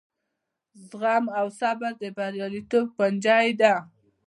زغم او صبر د بریالیتوب کونجۍ ده.